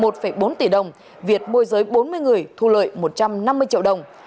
một bốn tỷ đồng việt môi giới bốn mươi người thu lợi một trăm năm mươi triệu đồng